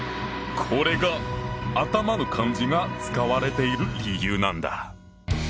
これが「頭」の漢字が使われている理由なんだ！